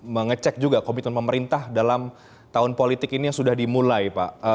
mengecek juga komitmen pemerintah dalam tahun politik ini yang sudah dimulai pak